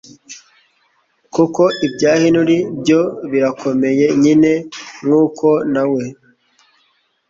kuko ibya Henry byo birakomeye nyine nkuko nawe